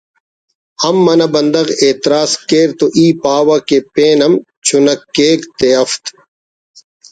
ہم منہ بندغ اعتراض کیر تو ای پاوہ کہ پین ہم چنک کیک تے‘ ہفت